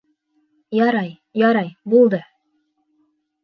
Ярай, ярай, булды.